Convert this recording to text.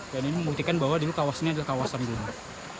dan ini membuktikan bahwa di kawasannya adalah kawasan gunung